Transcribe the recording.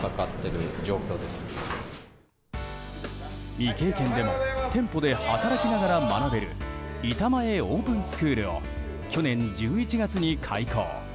未経験でも店舗で働きながら学べる板前オープンスクールを去年１１月に開講。